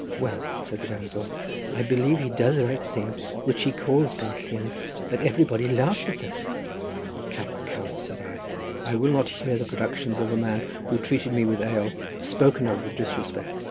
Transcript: "Well," said the damsel, "I believe he does write things which he calls pennillion, but everybody laughs at them." "Come, come," said I, "I will not hear the productions of a man who treated me with ale spoken of with disrespect.